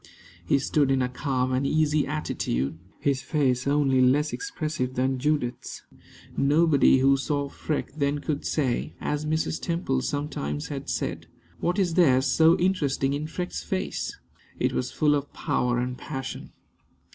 He stood in a calm and easy attitude, his face only less expressive than Judith's. Nobody who saw Freke then could say, as Mrs. Temple sometimes had said, "What is there so interesting in Freke's face?" It was full of power and passion.